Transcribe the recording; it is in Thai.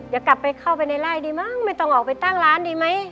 อย่ากลับไปเข้าไปในไล่ดีมั้งไม่ต้องออกไปตั้งร้านดีไหม